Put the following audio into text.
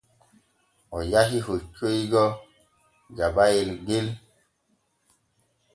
O yahi hoccoygo Jabayel ŋel.